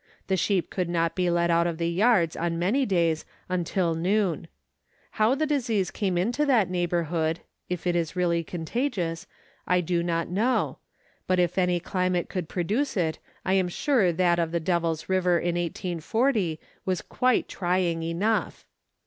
The sheep could not be let out of the yards on many days till noon. How the disease came into that neighbourhood (if it is really contagious) I do not know, but if any climate could produce it I am sure that of the Devil's River in 1840 was quite trying enough.